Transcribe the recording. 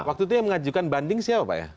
waktu itu yang mengajukan banding siapa pak ya